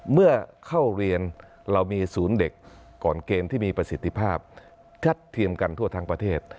เมื่อเข้าเรียนเรามีศูนย์เด็กก่อนเกมที่มีประสิทธิภาพชัดเทียมกันทั่วทั้งประเทศ